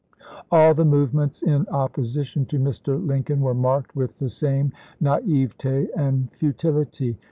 All the movements in opposition to Mr. Lincoln were marked with the same naivete and futility.